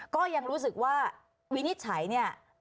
ก็ยังรู้สึกว่าวินิจฉัยเนี่ย